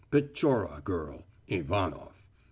"Pechora girl." "Ivanof."